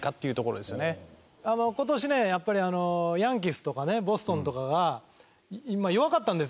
やっぱりヤンキースとかボストンとかが弱かったんです